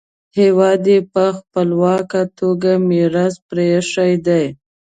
هېواد یې په خپلواکه توګه میراث پریښی دی.